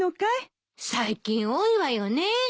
最近多いわよね。